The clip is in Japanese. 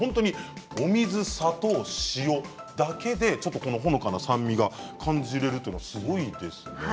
お水、砂糖、塩だけでほのかな酸味が感じられるというのがすごいですね。